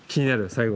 最後。